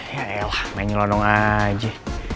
ya elah main lonong aja